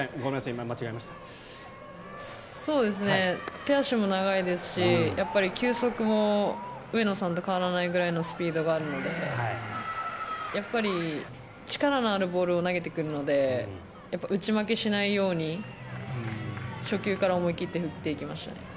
手足も長いですし球速も上野さんと変わらないぐらいのスピードがあるのでやっぱり力のあるボールを投げてくるので打ち負けしないように初球から思い切って振っていきました。